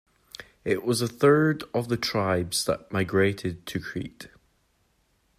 It was the third of the tribes that migrated to Crete.